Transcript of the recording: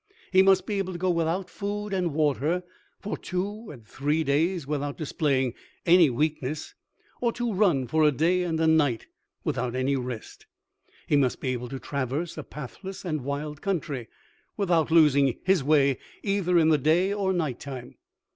He must be able to go without food and water for two or three days without displaying any weakness, or to run for a day and a night without any rest. He must be able to traverse a pathless and wild country without losing his way either in the day or night time.